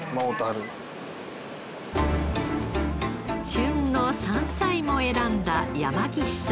旬の山菜も選んだ山岸さん。